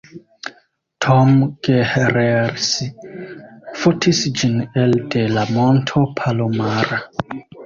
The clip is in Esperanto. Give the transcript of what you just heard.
Tom Gehrels fotis ĝin elde la Monto Palomar.